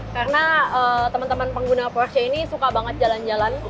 karena temen temen pengguna porsche ini suka banget jalan jalan